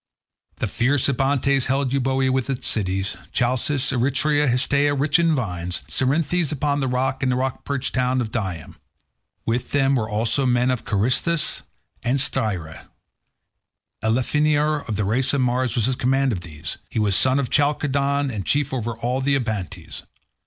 The fierce Abantes held Euboea with its cities, Chalcis, Eretria, Histiaea rich in vines, Cerinthus upon the sea, and the rock perched town of Dium; with them were also the men of Carystus and Styra; Elephenor of the race of Mars was in command of these; he was son of Chalcodon, and chief over all the Abantes.